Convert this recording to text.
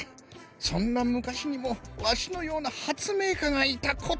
そんなむかしにもワシのようなはつめいかがいたことを。